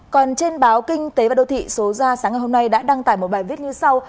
còn trên báo kinh tế và đô thị số ra sáng ngày hôm nay đã đăng tải một bài viết như sau